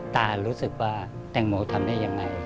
ตารู้สึกว่าแตงโมทำได้ยังไง